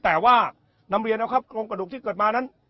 แต่ว่านำเรียนนะครับโครงกระดูกที่เกิดมานั้น